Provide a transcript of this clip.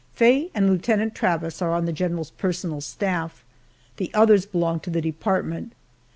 Faye and Lieutenant Travis are on the general's personal staff, the others belong to the department.